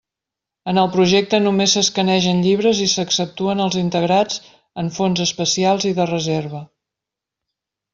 En el projecte només s'escanegen llibres i s'exceptuen els integrats en fons especials i de reserva.